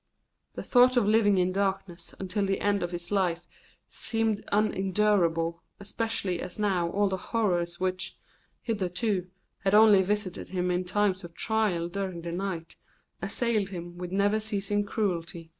The thought of living in darkness until the end of his life seemed unendurable, especially as now all the horrors which, hitherto, had only visited him in times of trial during the night assailed him with never ceasing cruelty.